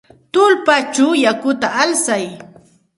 Tullpachaw yakuta alsay.